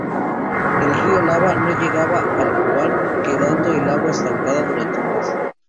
El río Labá no llegaba al Kubán, quedando el agua estancada durante un mes.